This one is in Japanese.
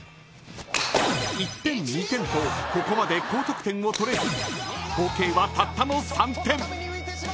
［１点２点とここまで高得点を取れず合計はたったの３点］